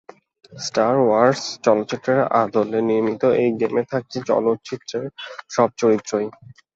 Star Wars চলচিত্রের আদলে নির্মিত এই গেমে থাকছে চলচিত্রের সব চরিত্রই।